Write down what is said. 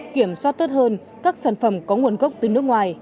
kiểm soát tốt hơn các sản phẩm có nguồn gốc từ nước ngoài